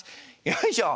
よいしょ。